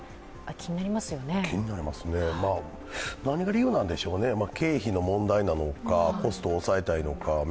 気になりますね、何が理由なんでしょうか、経費の問題なのか、コストを抑えたいのか。